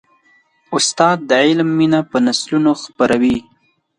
استاد د علم مینه په نسلونو خپروي.